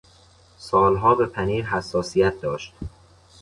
سالها به پنیر حساسیت داشت.